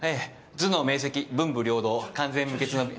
頭脳明晰文武両道完全無欠の。